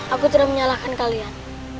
aku tidak menyalahkan kalian